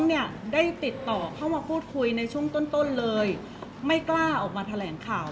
เพราะว่าสิ่งเหล่านี้มันเป็นสิ่งที่ไม่มีพยาน